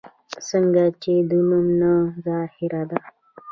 څنګه چې د نوم نه ظاهره ده